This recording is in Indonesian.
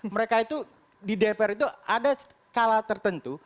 mereka itu di dpr itu ada skala tertentu